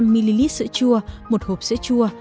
một trăm linh ml sữa chua một hộp sữa chua